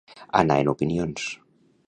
Anar en opinions.